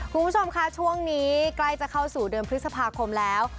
คุณผู้ชมค่ะช่วงนี้ใกล้จะเข้าสู่เดือนพฤษภาคมแล้ว